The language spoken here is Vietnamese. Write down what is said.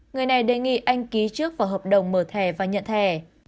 người này đề nghị anh ký trước vào hợp đồng mở thẻ và nhận thẻ